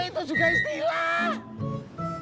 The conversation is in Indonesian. tapi itu juga istilah